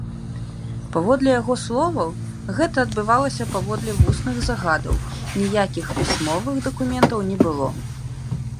Паводле яго словаў, гэта адбывалася паводле вусных загадаў, ніякіх пісьмовых дакументаў не было.